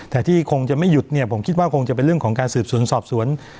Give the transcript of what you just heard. แต่ที่คงจะไม่หยุดเนี่ยผมคิดว่าคงจะเป็นเรื่องของการสืบสวนสอบสวน